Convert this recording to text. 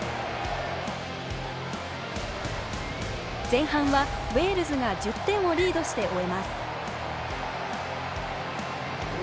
前半はウェールズが１０点をリードして終えます。